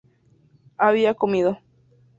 había comido